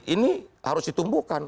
ini harus ditumbuhkan